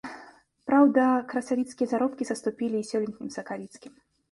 Праўда, красавіцкія заробкі саступілі і сёлетнім сакавіцкім.